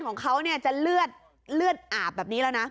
ของเขาเนี่ยจะเลือดอาบแบบนี้แล้วนะ